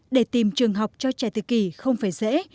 để tìm trường học cho trẻ tự kỷ không phải dễ